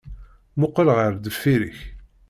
Mmuqqel ɣer deffir-k!